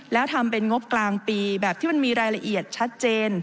แล้วทำเป็นงบกลางปีแบบที่มันมีรายละเอียดชัดเจน